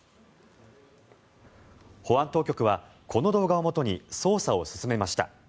保安当局はこの動画をもとに捜査を進めました。